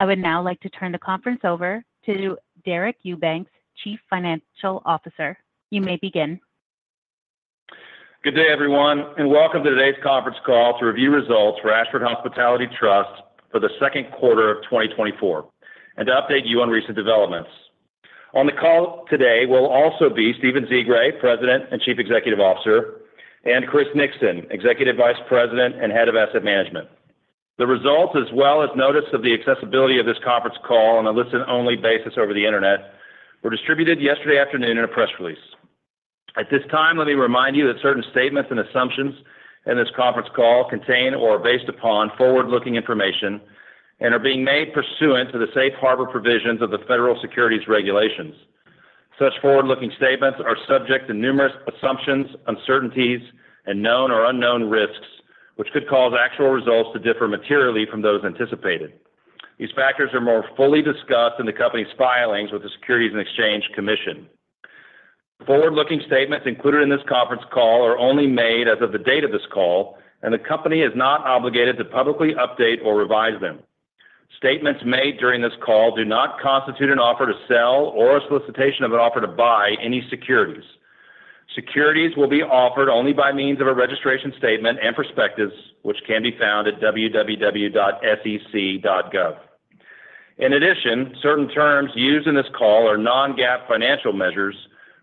I would now like to turn the conference over to Deric Eubanks, Chief Financial Officer. You may begin. Good day, everyone, and welcome to today's conference call to review results for Ashford Hospitality Trust for the second quarter of 2024, and to update you on recent developments. On the call today will also be Stephen Zsigray, President and Chief Executive Officer, and Chris Nixon, Executive Vice President and Head of Asset Management. The results, as well as notice of the accessibility of this conference call on a listen-only basis over the internet, were distributed yesterday afternoon in a press release. At this time, let me remind you that certain statements and assumptions in this conference call contain or are based upon forward-looking information and are being made pursuant to the safe harbor provisions of the federal securities regulations. Such forward-looking statements are subject to numerous assumptions, uncertainties, and known or unknown risks, which could cause actual results to differ materially from those anticipated. These factors are more fully discussed in the company's filings with the Securities and Exchange Commission. Forward-looking statements included in this conference call are only made as of the date of this call, and the company is not obligated to publicly update or revise them. Statements made during this call do not constitute an offer to sell or a solicitation of an offer to buy any securities. Securities will be offered only by means of a registration statement and prospectus, which can be found at www.sec.gov. In addition, certain terms used in this call are non-GAAP financial measures,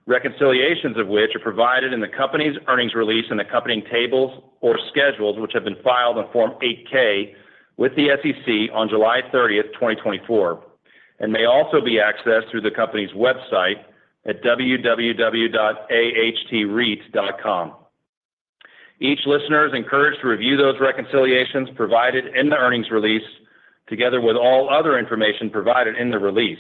reconciliations of which are provided in the company's earnings release and accompanying tables or schedules, which have been filed on Form 8-K with the SEC on July 30th, 2024, and may also be accessed through the company's website at www.ahtreit.com. Each listener is encouraged to review those reconciliations provided in the earnings release, together with all other information provided in the release.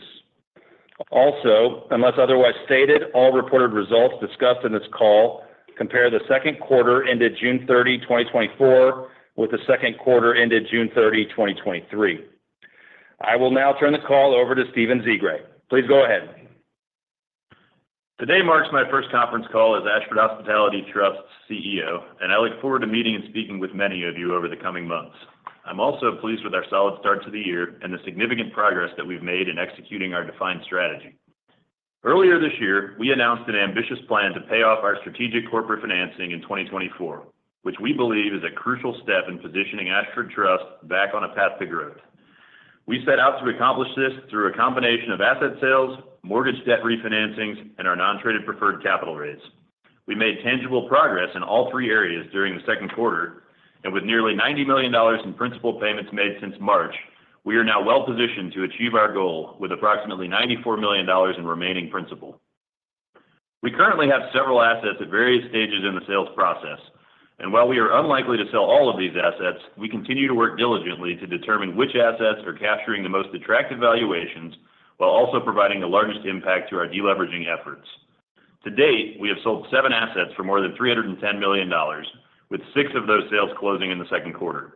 Also, unless otherwise stated, all reported results discussed in this call compare the second quarter ended June 30, 2024, with the second quarter ended June 30, 2023. I will now turn the call over to Stephen Zsigray. Please go ahead. Today marks my first conference call as Ashford Hospitality Trust's CEO, and I look forward to meeting and speaking with many of you over the coming months. I'm also pleased with our solid start to the year and the significant progress that we've made in executing our defined strategy. Earlier this year, we announced an ambitious plan to pay off our strategic corporate financing in 2024, which we believe is a crucial step in positioning Ashford Trust back on a path to growth. We set out to accomplish this through a combination of asset sales, mortgage debt refinancings, and our non-traded preferred capital rates. We made tangible progress in all three areas during the second quarter, and with nearly $90 million in principal payments made since March, we are now well positioned to achieve our goal with approximately $94 million in remaining principal. We currently have several assets at various stages in the sales process, and while we are unlikely to sell all of these assets, we continue to work diligently to determine which assets are capturing the most attractive valuations while also providing the largest impact to our deleveraging efforts. To date, we have sold seven assets for more than $310 million, with six of those sales closing in the second quarter.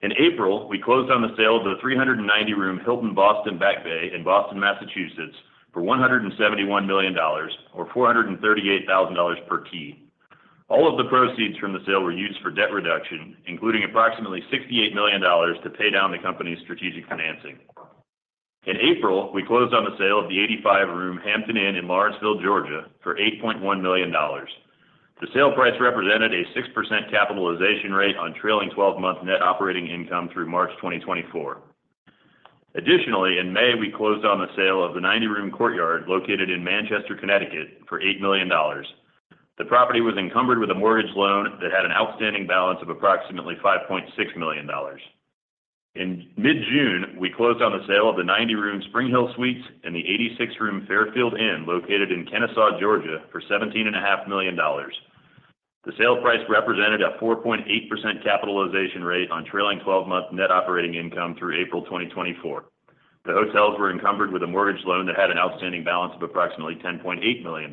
In April, we closed on the sale of the 390-room Hilton Boston Back Bay in Boston, Massachusetts, for $171 million or $438,000 per key. All of the proceeds from the sale were used for debt reduction, including approximately $68 million to pay down the company's strategic financing. In April, we closed on the sale of the 85-room Hampton Inn in Lawrenceville, Georgia, for $8.1 million. The sale price represented a 6% capitalization rate on trailing twelve-month net operating income through March 2024. Additionally, in May, we closed on the sale of the 90-room Courtyard, located in Manchester, Connecticut, for $8 million. The property was encumbered with a mortgage loan that had an outstanding balance of approximately $5.6 million. In mid-June, we closed on the sale of the 90-room SpringHill Suites and the 86-room Fairfield Inn, located in Kennesaw, Georgia, for $17.5 million. The sale price represented a 4.8% capitalization rate on trailing twelve-month net operating income through April 2024. The hotels were encumbered with a mortgage loan that had an outstanding balance of approximately $10.8 million.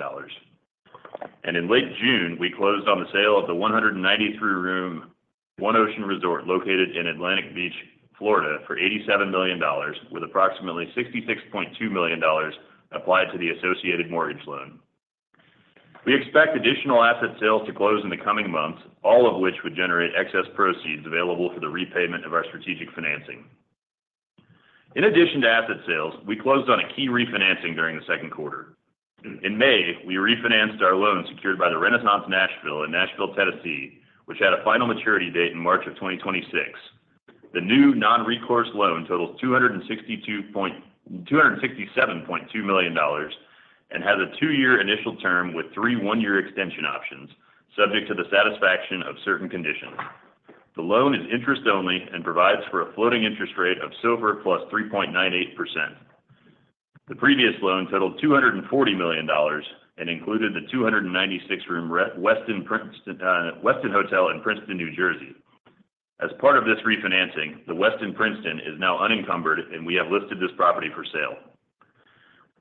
In late June, we closed on the sale of the 193-room, One Ocean Resort, located in Atlantic Beach, Florida, for $87 million, with approximately $66.2 million applied to the associated mortgage loan. We expect additional asset sales to close in the coming months, all of which would generate excess proceeds available for the repayment of our strategic financing. In addition to asset sales, we closed on a key refinancing during the second quarter. In May, we refinanced our loan secured by the Renaissance Nashville in Nashville, Tennessee, which had a final maturity date in March 2026. The new non-recourse loan totals $267.2 million and has a two-year initial term with three one-year extension options, subject to the satisfaction of certain conditions. The loan is interest only and provides for a floating interest rate of SOFR plus 3.98%. The previous loan totaled $240 million and included the 296-room Westin Princeton, Westin Hotel in Princeton, New Jersey. As part of this refinancing, the Westin Princeton is now unencumbered, and we have listed this property for sale.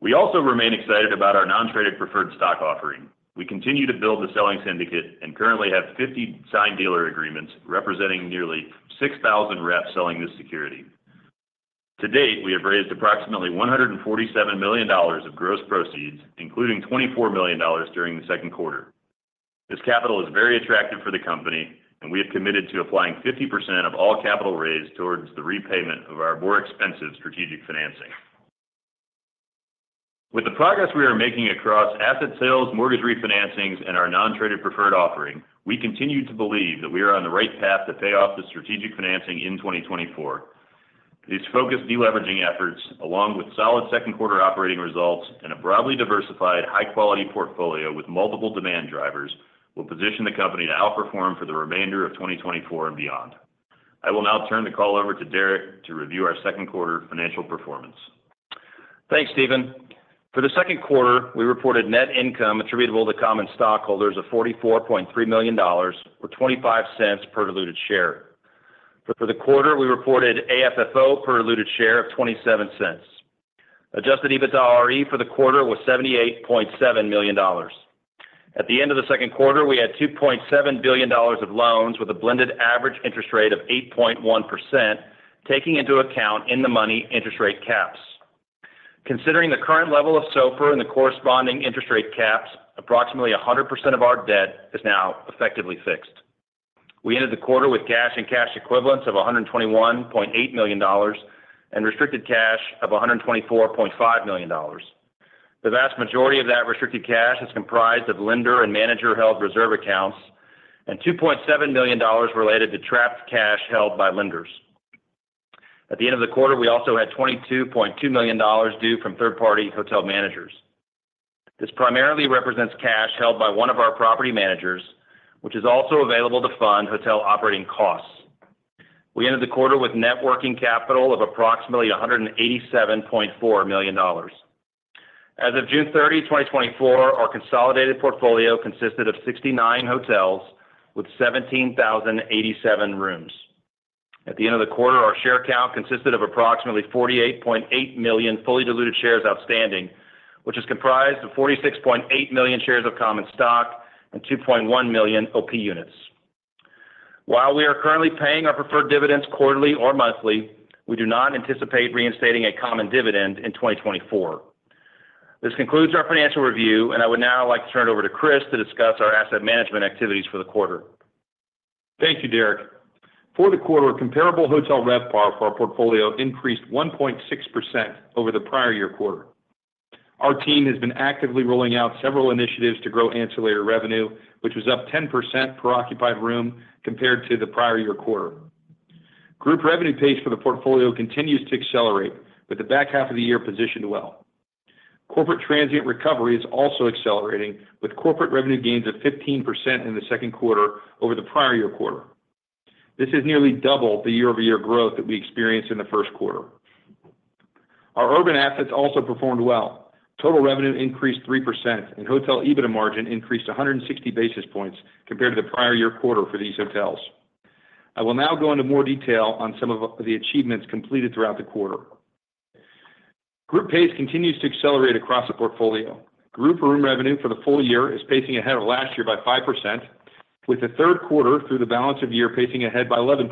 We also remain excited about our non-traded preferred stock offering. We continue to build the selling syndicate and currently have 50 signed dealer agreements, representing nearly 6,000 reps selling this security. To date, we have raised approximately $147 million of gross proceeds, including $24 million during the second quarter. This capital is very attractive for the company, and we have committed to applying 50% of all capital raised towards the repayment of our more expensive strategic financing. With the progress we are making across asset sales, mortgage refinancings, and our non-traded preferred offering, we continue to believe that we are on the right path to pay off the strategic financing in 2024. These focused deleveraging efforts, along with solid second quarter operating results and a broadly diversified, high-quality portfolio with multiple demand drivers, will position the company to outperform for the remainder of 2024 and beyond. I will now turn the call over to Deric to review our second quarter financial performance. Thanks, Stephen. For the second quarter, we reported net income attributable to common stockholders of $44.3 million, or $0.25 per diluted share. But for the quarter, we reported AFFO per diluted share of $0.27. Adjusted EBITDAre for the quarter was $78.7 million. At the end of the second quarter, we had $2.7 billion of loans with a blended average interest rate of 8.1%, taking into account in-the-money interest rate caps. Considering the current level of SOFR and the corresponding interest rate caps, approximately 100% of our debt is now effectively fixed. We ended the quarter with cash and cash equivalents of $121.8 million and restricted cash of $124.5 million. The vast majority of that restricted cash is comprised of lender and manager-held reserve accounts, and $2.7 million related to trapped cash held by lenders. At the end of the quarter, we also had $22.2 million due from third-party hotel managers. This primarily represents cash held by one of our property managers, which is also available to fund hotel operating costs. We ended the quarter with net working capital of approximately $187.4 million. As of June 30, 2024, our consolidated portfolio consisted of 69 hotels with 17,087 rooms. At the end of the quarter, our share count consisted of approximately 48.8 million fully diluted shares outstanding, which is comprised of 46.8 million shares of common stock and 2.1 million OP units. While we are currently paying our preferred dividends quarterly or monthly, we do not anticipate reinstating a common dividend in 2024. This concludes our financial review, and I would now like to turn it over to Chris to discuss our asset management activities for the quarter. Thank you, Deric. For the quarter, comparable hotel RevPAR for our portfolio increased 1.6% over the prior year quarter. Our team has been actively rolling out several initiatives to grow ancillary revenue, which was up 10% per occupied room compared to the prior year quarter. Group revenue pace for the portfolio continues to accelerate, with the back half of the year positioned well. Corporate transient recovery is also accelerating, with corporate revenue gains of 15% in the second quarter over the prior year quarter. This is nearly double the year-over-year growth that we experienced in the first quarter. Our urban assets also performed well. Total revenue increased 3%, and hotel EBITDA margin increased 160 basis points compared to the prior year quarter for these hotels. I will now go into more detail on some of the achievements completed throughout the quarter. Group pace continues to accelerate across the portfolio. Group room revenue for the full year is pacing ahead of last year by 5%, with the third quarter through the balance of year pacing ahead by 11%.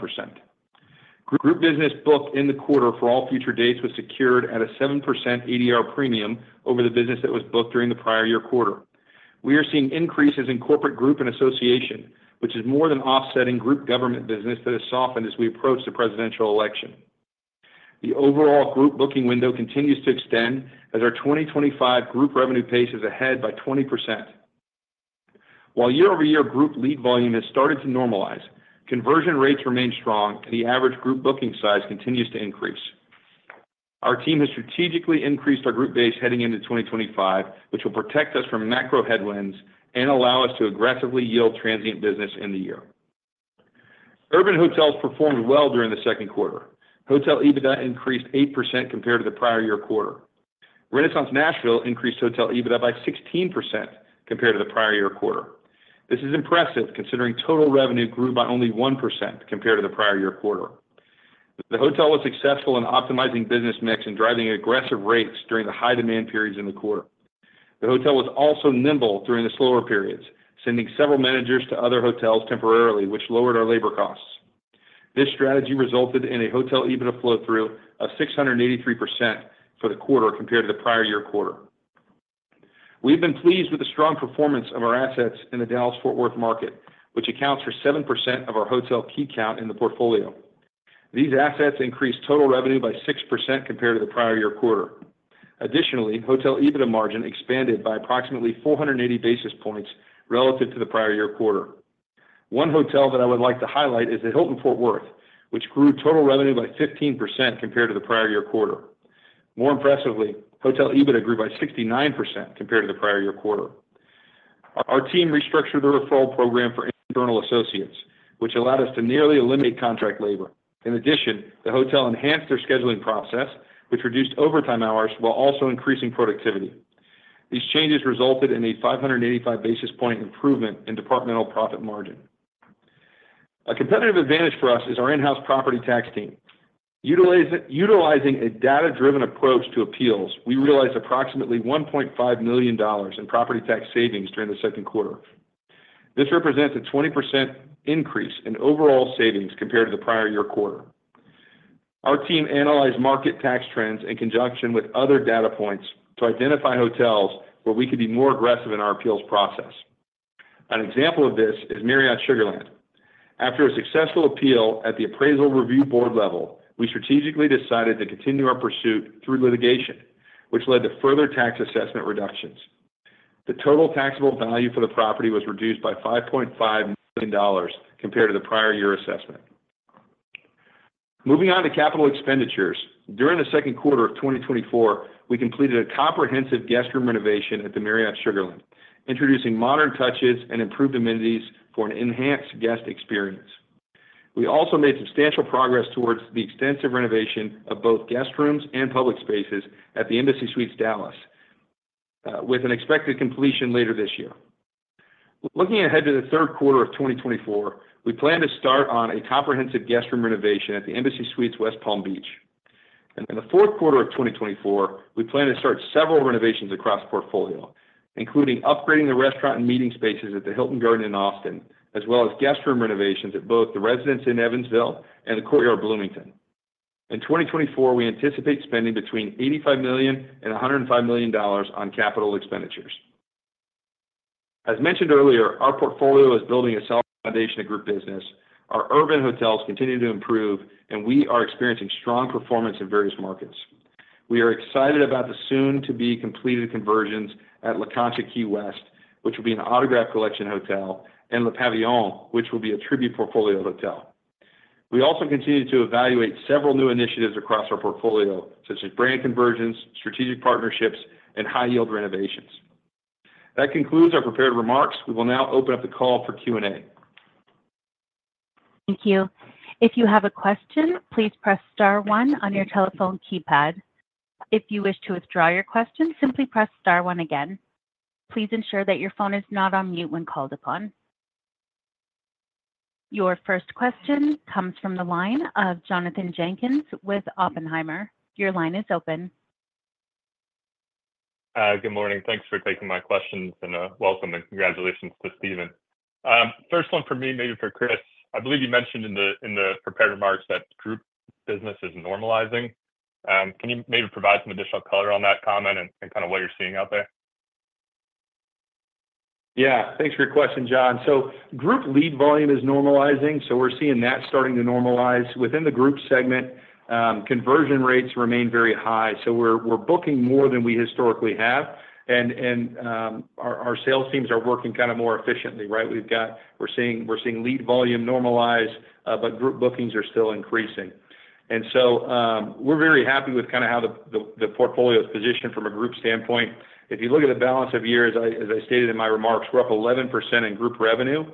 Group business booked in the quarter for all future dates was secured at a 7% ADR premium over the business that was booked during the prior year quarter. We are seeing increases in corporate group and association, which is more than offsetting group government business that has softened as we approach the presidential election. The overall group booking window continues to extend as our 2025 group revenue pace is ahead by 20%. While year-over-year group lead volume has started to normalize, conversion rates remain strong, and the average group booking size continues to increase. Our team has strategically increased our group base heading into 2025, which will protect us from macro headwinds and allow us to aggressively yield transient business in the year. Urban hotels performed well during the second quarter. Hotel EBITDA increased 8% compared to the prior year quarter. Renaissance Nashville increased hotel EBITDA by 16% compared to the prior year quarter. This is impressive, considering total revenue grew by only 1% compared to the prior year quarter. The hotel was successful in optimizing business mix and driving aggressive rates during the high-demand periods in the quarter. The hotel was also nimble during the slower periods, sending several managers to other hotels temporarily, which lowered our labor costs. This strategy resulted in a hotel EBITDA flow through of 683% for the quarter compared to the prior year quarter. We've been pleased with the strong performance of our assets in the Dallas-Fort Worth market, which accounts for 7% of our hotel key count in the portfolio. These assets increased total revenue by 6% compared to the prior year quarter. Additionally, hotel EBITDA margin expanded by approximately 480 basis points relative to the prior year quarter. One hotel that I would like to highlight is the Hilton Fort Worth, which grew total revenue by 15% compared to the prior year quarter. More impressively, hotel EBITDA grew by 69% compared to the prior year quarter. Our team restructured the referral program for internal associates, which allowed us to nearly eliminate contract labor. In addition, the hotel enhanced their scheduling process, which reduced overtime hours while also increasing productivity. These changes resulted in a 585 basis point improvement in departmental profit margin. A competitive advantage for us is our in-house property tax team. Utilizing a data-driven approach to appeals, we realized approximately $1.5 million in property tax savings during the second quarter. This represents a 20% increase in overall savings compared to the prior year quarter. Our team analyzed market tax trends in conjunction with other data points to identify hotels where we could be more aggressive in our appeals process. An example of this is Marriott Sugar Land. After a successful appeal at the appraisal review board level, we strategically decided to continue our pursuit through litigation, which led to further tax assessment reductions. The total taxable value for the property was reduced by $5.5 million compared to the prior year assessment. Moving on to capital expenditures. During the second quarter of 2024, we completed a comprehensive guest room renovation at the Marriott Sugar Land, introducing modern touches and improved amenities for an enhanced guest experience. We also made substantial progress towards the extensive renovation of both guest rooms and public spaces at the Embassy Suites, Dallas, with an expected completion later this year. Looking ahead to the third quarter of 2024, we plan to start on a comprehensive guest room renovation at the Embassy Suites, West Palm Beach. In the fourth quarter of 2024, we plan to start several renovations across the portfolio, including upgrading the restaurant and meeting spaces at the Hilton Garden Inn Austin, as well as guest room renovations at both the Residence Inn Evansville and the Courtyard Bloomington. In 2024, we anticipate spending between $85 million and $105 million on capital expenditures. As mentioned earlier, our portfolio is building a solid foundation of group business. Our urban hotels continue to improve, and we are experiencing strong performance in various markets. We are excited about the soon-to-be-completed conversions at La Concha Key West, which will be an Autograph Collection hotel, and Le Pavillon, which will be a Tribute Portfolio hotel. We also continue to evaluate several new initiatives across our portfolio, such as brand conversions, strategic partnerships, and high-yield renovations. That concludes our prepared remarks. We will now open up the call for Q&A. Thank you. If you have a question, please press star one on your telephone keypad. If you wish to withdraw your question, simply press star one again. Please ensure that your phone is not on mute when called upon. Your first question comes from the line of Jonathan Jenkins with Oppenheimer. Your line is open. Good morning. Thanks for taking my questions, and welcome, and congratulations to Stephen. First one for me, maybe for Chris. I believe you mentioned in the, in the prepared remarks that group business is normalizing. Can you maybe provide some additional color on that comment and, and kind of what you're seeing out there? Yeah, thanks for your question, John. So group lead volume is normalizing, so we're seeing that starting to normalize. Within the group segment, conversion rates remain very high, so we're booking more than we historically have. And our sales teams are working kind of more efficiently, right? We're seeing lead volume normalize, but group bookings are still increasing. And so, we're very happy with kind of how the portfolio is positioned from a group standpoint. If you look at the balance of years, as I stated in my remarks, we're up 11% in group revenue.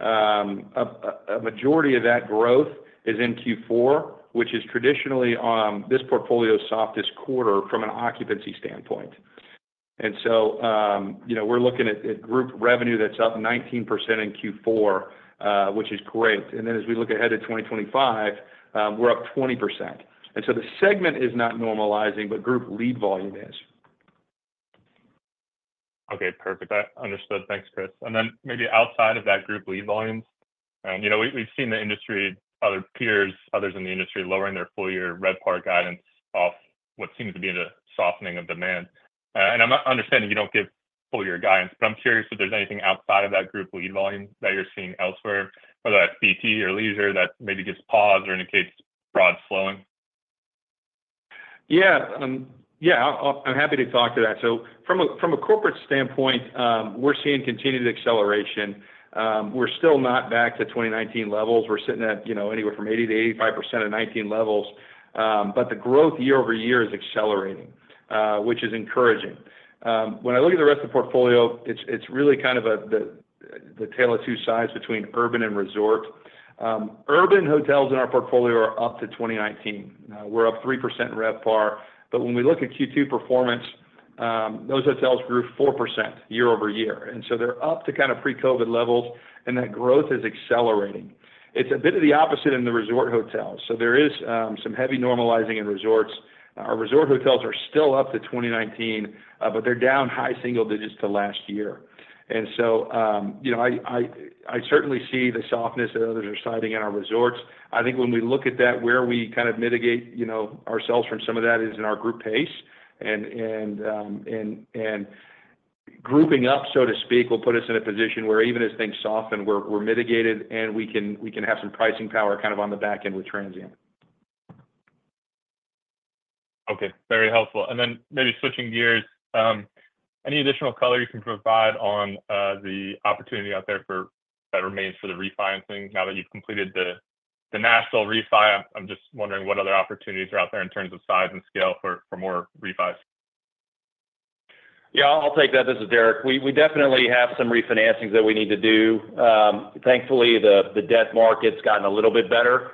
A majority of that growth is in Q4, which is traditionally this portfolio's softest quarter from an occupancy standpoint. And so, you know, we're looking at group revenue that's up 19% in Q4, which is great. And then as we look ahead at 2025, we're up 20%. And so the segment is not normalizing, but group lead volume is. Okay, perfect. I understood. Thanks, Chris. And then maybe outside of that group lead volumes, you know, we've seen the industry, other peers, others in the industry, lowering their full year RevPAR guidance off what seems to be the softening of demand. And I'm not understanding, you don't give full year guidance, but I'm curious if there's anything outside of that group lead volume that you're seeing elsewhere, whether that's BT or leisure, that maybe gives pause or indicates broad slowing. Yeah. Yeah, I'm happy to talk to that. So from a corporate standpoint, we're seeing continued acceleration. We're still not back to 2019 levels. We're sitting at, you know, anywhere from 80%-85% of 2019 levels, but the growth year-over-year is accelerating, which is encouraging. When I look at the rest of the portfolio, it's really kind of a tale of two sides between urban and resort. Urban hotels in our portfolio are up to 2019. We're up 3% in RevPAR, but when we look at Q2 performance, those hotels grew 4% year-over-year, and so they're up to kind of pre-COVID levels, and that growth is accelerating. It's a bit of the opposite in the resort hotels, so there is some heavy normalizing in resorts. Our resort hotels are still up to 2019, but they're down high single digits to last year. And so, you know, I certainly see the softness that others are citing in our resorts. I think when we look at that, where we kind of mitigate, you know, ourselves from some of that is in our group pace. And grouping up, so to speak, will put us in a position where even as things soften, we're mitigated, and we can have some pricing power kind of on the back end with transient. Okay, very helpful. And then maybe switching gears, any additional color you can provide on the opportunity out there that remains for the refinancing now that you've completed the Nashville refi? I'm just wondering what other opportunities are out there in terms of size and scale for more refis. Yeah, I'll take that. This is Deric. We definitely have some refinancings that we need to do. Thankfully, the debt market's gotten a little bit better.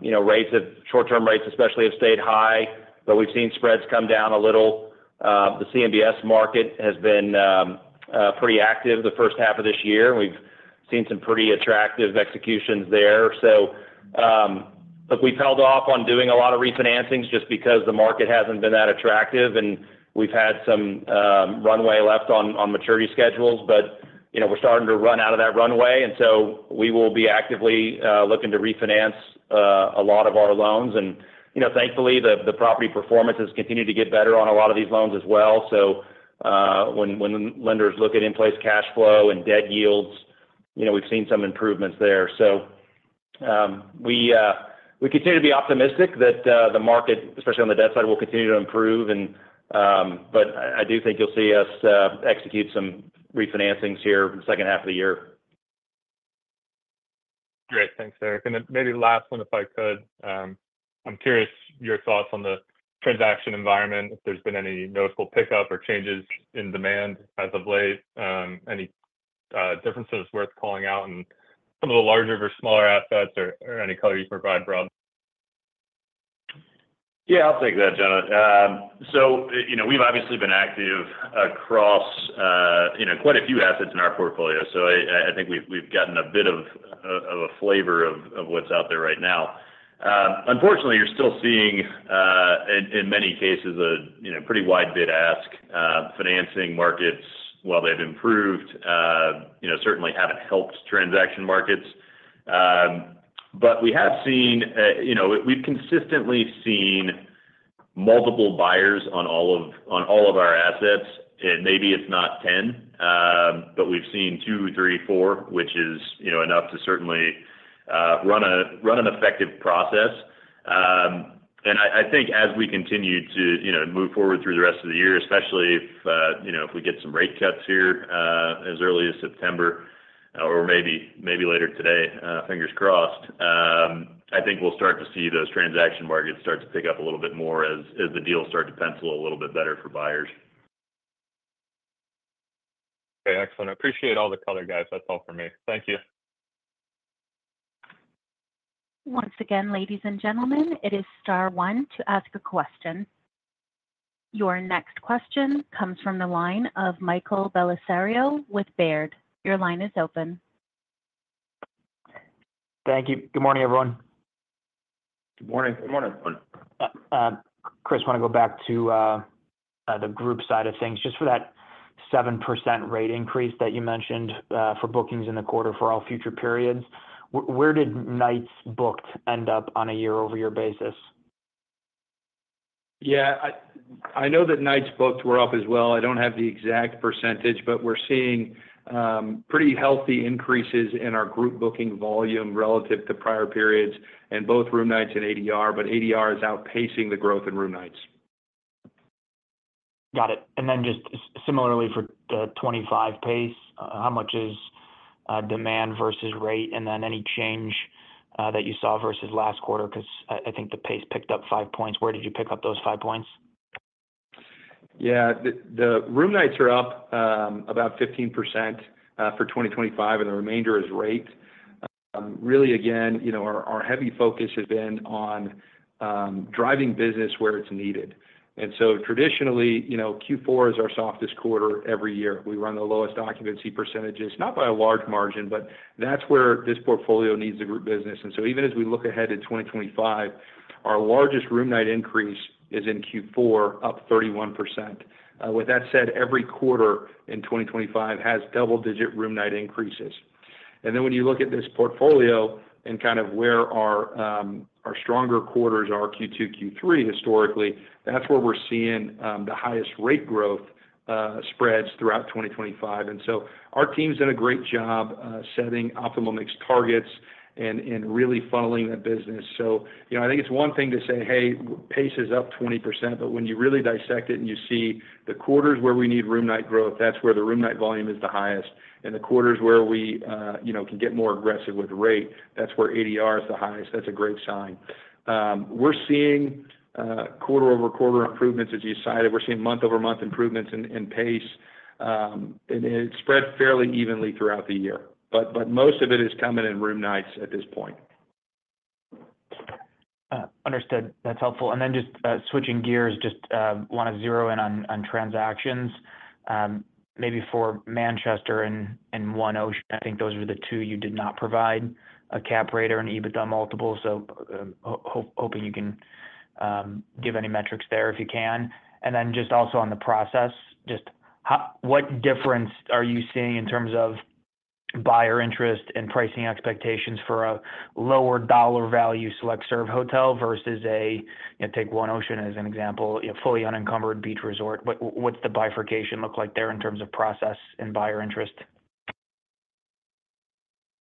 You know, rates have short-term rates especially, have stayed high, but we've seen spreads come down a little. The CMBS market has been pretty active the first half of this year. We've seen some pretty attractive executions there. So, look, we've held off on doing a lot of refinancings just because the market hasn't been that attractive, and we've had some runway left on maturity schedules. But, you know, we're starting to run out of that runway, and so we will be actively looking to refinance a lot of our loans. And, you know, thankfully, the property performances continue to get better on a lot of these loans as well. So, when lenders look at in-place cash flow and debt yields, you know, we've seen some improvements there. So, we continue to be optimistic that the market, especially on the debt side, will continue to improve and but I do think you'll see us execute some refinancings here in the second half of the year. Great. Thanks, Deric. And then maybe last one, if I could. I'm curious your thoughts on the transaction environment, if there's been any noticeable pickup or changes in demand as of late, any differences worth calling out in some of the larger or smaller assets, or any color you can provide, Rob? Yeah, I'll take that, Jonathan. So, you know, we've obviously been active across, you know, quite a few assets in our portfolio, so I think we've gotten a bit of a flavor of what's out there right now. Unfortunately, you're still seeing, in many cases, you know, pretty wide bid-ask. Financing markets, while they've improved, you know, certainly haven't helped transaction markets. But we have seen, you know, we've consistently seen multiple buyers on all of our assets. And maybe it's not 10, but we've seen two, three, four, which is, you know, enough to certainly run an effective process. And I think as we continue to, you know, move forward through the rest of the year, especially if, you know, if we get some rate cuts here, as early as September, or maybe later today, fingers crossed, I think we'll start to see those transaction markets start to pick up a little bit more as the deals start to pencil a little bit better for buyers. Okay, excellent. I appreciate all the color, guys. That's all for me. Thank you. Once again, ladies and gentlemen, it is star one to ask a question. Your next question comes from the line of Michael Bellisario with Baird. Your line is open. Thank you. Good morning, everyone. Good morning. Good morning. Chris, want to go back to the group side of things. Just for that 7% rate increase that you mentioned, for bookings in the quarter for all future periods, where did nights booked end up on a year-over-year basis? Yeah, I know that nights booked were up as well. I don't have the exact percentage, but we're seeing pretty healthy increases in our group booking volume relative to prior periods in both room nights and ADR, but ADR is outpacing the growth in room nights. Got it. And then just similarly for the 2025 pace, how much is demand versus rate? And then any change that you saw versus last quarter, 'cause I think the pace picked up five points. Where did you pick up those five points? Yeah. The room nights are up about 15% for 2025, and the remainder is rate. Really, again, you know, our heavy focus has been on driving business where it's needed. And so traditionally, you know, Q4 is our softest quarter every year. We run the lowest occupancy percentages, not by a large margin, but that's where this portfolio needs the group business. And so even as we look ahead to 2025, our largest room night increase is in Q4, up 31%. With that said, every quarter in 2025 has double-digit room night increases. And then when you look at this portfolio and kind of where our stronger quarters are, Q2, Q3, historically, that's where we're seeing the highest rate growth spreads throughout 2025. And so our team's done a great job, setting optimal mix targets and really funneling that business. So, you know, I think it's one thing to say, "Hey, pace is up 20%," but when you really dissect it and you see the quarters where we need room night growth, that's where the room night volume is the highest. And the quarters where we, you know, can get more aggressive with rate, that's where ADR is the highest. That's a great sign. We're seeing quarter-over-quarter improvements, as you cited. We're seeing month-over-month improvements in pace, and it spread fairly evenly throughout the year. But most of it is coming in room nights at this point. Understood. That's helpful. And then just switching gears, just want to zero in on transactions. Maybe for Manchester and One Ocean, I think those are the two you did not provide a cap rate or an EBITDA multiple, so hoping you can give any metrics there if you can. And then just also on the process, just what difference are you seeing in terms of buyer interest and pricing expectations for a lower dollar value select serve hotel versus a, you know, take One Ocean as an example, a fully unencumbered beach resort, but what's the bifurcation look like there in terms of process and buyer interest?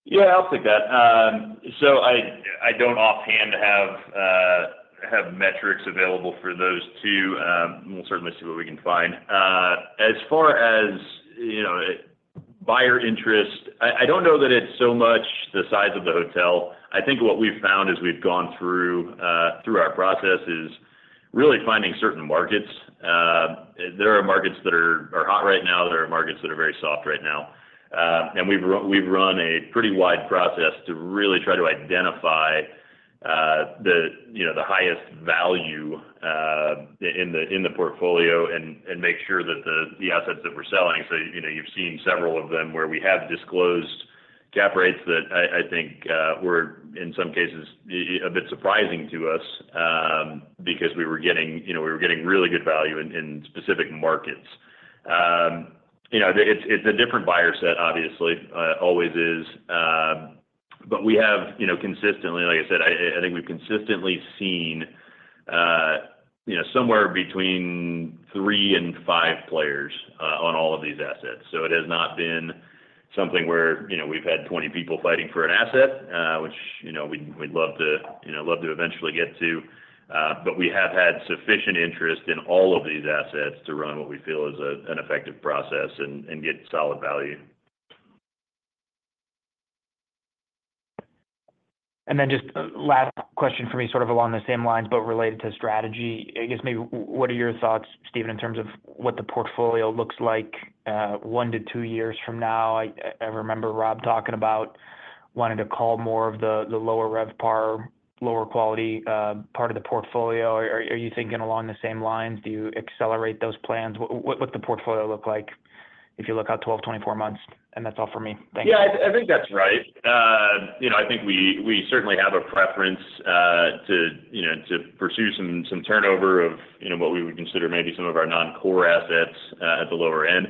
Yeah, I'll take that. So I, I don't offhand have, have metrics available for those two. We'll certainly see what we can find. As far as, you know, buyer interest, I, I don't know that it's so much the size of the hotel. I think what we've found as we've gone through, through our process is really finding certain markets. There are markets that are hot right now, there are markets that are very soft right now. And we've run a pretty wide process to really try to identify, the, you know, the highest value, in the, in the portfolio and make sure that the assets that we're selling. So, you know, you've seen several of them where we have disclosed cap rates that I think were, in some cases, a bit surprising to us, because we were getting, you know, we were getting really good value in specific markets. You know, it's a different buyer set, obviously, always is. But we have, you know, consistently, like I said, I think we've consistently seen, you know, somewhere between three and five players on all of these assets. So it has not been something where, you know, we've had 20 people fighting for an asset, which, you know, we'd love to eventually get to. But we have had sufficient interest in all of these assets to run what we feel is an effective process and get solid value. And then just last question for me, sort of along the same lines, but related to strategy. I guess, maybe what are your thoughts, Stephen, in terms of what the portfolio looks like, one to two years from now? I remember Rob talking about wanting to cull more of the lower RevPAR, lower quality part of the portfolio. Are you thinking along the same lines? Do you accelerate those plans? What does the portfolio look like if you look out 12, 24 months? And that's all for me. Thank you. Yeah, I think that's right. You know, I think we certainly have a preference to you know to pursue some turnover of you know what we would consider maybe some of our non-core assets at the lower end.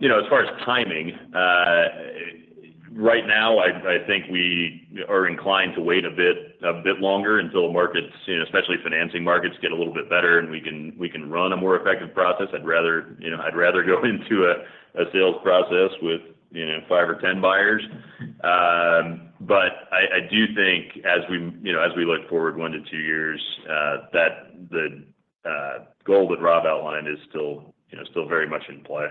You know, as far as timing, right now, I think we are inclined to wait a bit longer until the markets you know especially financing markets get a little bit better, and we can run a more effective process. I'd rather you know I'd rather go into a sales process with you know five or 10 buyers. But I do think as we you know as we look forward one to two years that the goal that Rob outlined is still you know still very much in play.